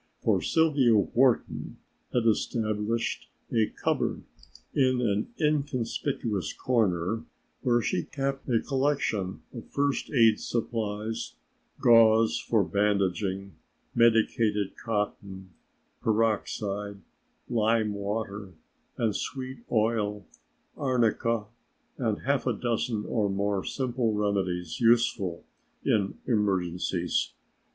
For Sylvia Wharton had established a cupboard in an inconspicuous corner where she kept a collection of first aid supplies: gauze for bandaging, medicated cotton, peroxide, lime water and sweet oil, arnica, and half a dozen or more simple remedies useful in emergencies.